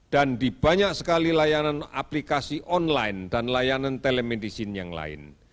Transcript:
dan di banyak sekali layanan aplikasi online dan layanan telemedicine yang lain